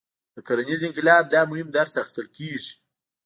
له کرنیز انقلاب دا مهم درس اخیستل کېږي.